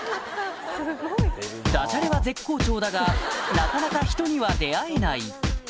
ダジャレは絶好調だがなかなか人には出会えない